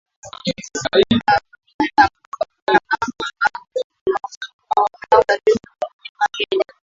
na wanamgambo wa Maumau karibu na Mlima Kenya